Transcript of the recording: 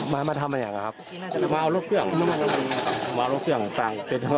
มาเอารถเครื่องให้ต่าง